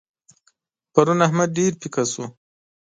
پرون احمد ډېر پيکه شو.